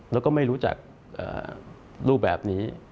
แล้วก็ไม่รู้จักรูปแบบนี้